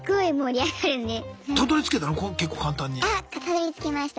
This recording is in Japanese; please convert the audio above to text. あたどりつけました。